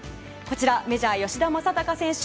メジャー吉田正尚選手。